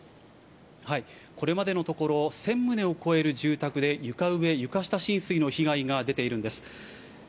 これまでのところ、１０００棟を超える住宅で床上・床下浸水の被害が出ているんです。